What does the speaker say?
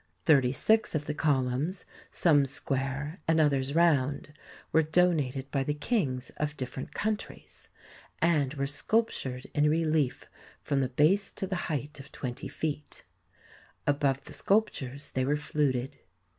Thirty six of the columns, some square and others round, were donated by the kings of different countries, and were sculptured in relief from the base to the height of twenty feet. Above the sculptures they were fluted.